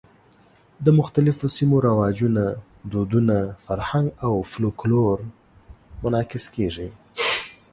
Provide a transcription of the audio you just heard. د مختلفو سیمو رواجونه، دودونه، فرهنګ او فولکلور منعکس کېږي.